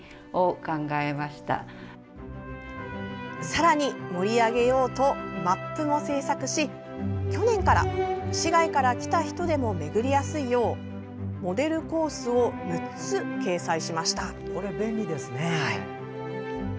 さらに盛り上げようとマップも制作し去年から、市外から来た人でも巡りやすいようモデルコースを６つ掲載しました。